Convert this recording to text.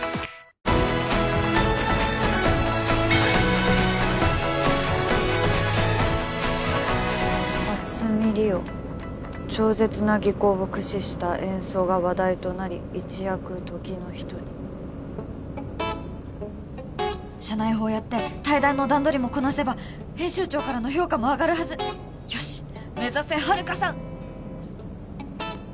「蓮見理緒超絶な技巧を駆使した演奏が話題となり」「一躍時の人に」社内報やって対談の段取りもこなせば編集長からの評価も上がるはずよしっ目指せ遥さん